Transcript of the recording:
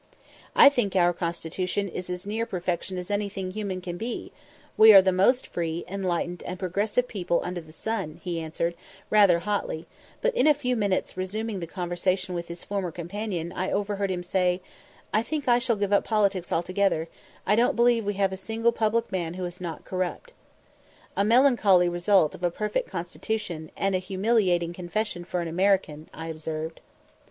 "I think our constitution is as near perfection as anything human can be; we are the most free, enlightened, and progressive people under the sun," he answered, rather hotly; but in a few minutes resuming the conversation with his former companion, I overheard him say, "I think I shall give up politics altogether; I don't believe we have a single public man who is not corrupt." "A melancholy result of a perfect constitution, and a humiliating confession for an American," I observed.